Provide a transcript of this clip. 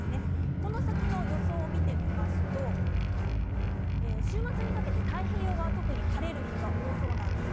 この先の予想を見てみますと週末にかけて太平洋側は特に晴れる日が多そうです。